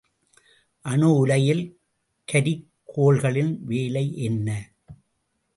அணு உலையில் கரிக்கோல்களின் வேலை என்ன?